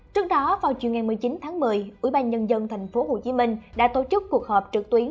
trước đó vào chiều một mươi chín tháng một mươi ủy ban nhân dân tp hcm đã tổ chức cuộc họp trực tuyến